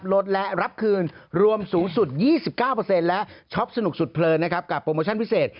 ลดและรับคืนรวมสูงสุด๒๙และช็อปสนุกสุดเพลินนะครับกับโปรโมชั่นพิเศษ